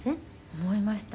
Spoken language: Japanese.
「思いました。